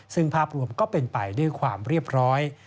ซึ่งภาพรวมก็เป็นไปด้วยความเรียบร้อย